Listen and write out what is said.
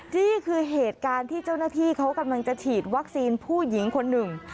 นี่คือเหตุการณ์ที่เจ้าหน้าที่เขากำลังจะฉีดวัคซีนผู้หญิงคนหนึ่ง